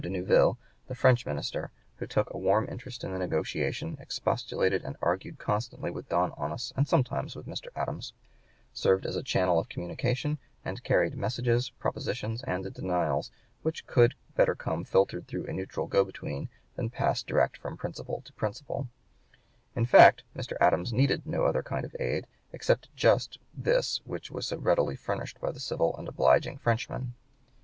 de Neuville, the French minister, who took a warm interest in the negotiation, expostulated and argued constantly with Don Onis and sometimes with Mr. Adams, served as a channel of communication and carried messages, propositions, and denials, which could better come filtered through a neutral go between than pass direct from principal to principal. In fact, Mr. Adams needed no other kind of aid except just this which was so readily furnished by the civil and obliging Frenchman.